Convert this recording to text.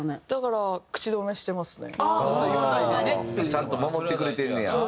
ちゃんと守ってくれてんねや。